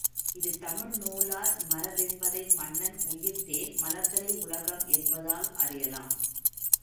இது தமிழ் நூலார் மரபென்பதை மன்னன் உயிர்த்தே மலர்தலை உலகம் என்பதால் அறியலாம்.